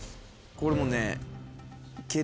これもうね。